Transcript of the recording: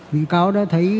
bị cáo đã thấy những hành vi